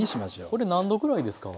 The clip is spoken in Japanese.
これ何度ぐらいですか？